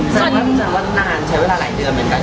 แต่ว่านานใช้เวลาหลายเดือนเหมือนกัน